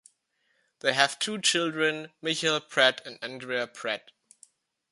They have two children, Michael Pratt and Andrea Pratt.